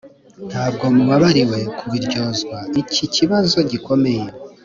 ntabwo mubabariwe kubiryozwa iki kibazo gikomeye